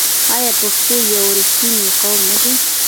آیا پښتون یو رښتینی قوم نه دی؟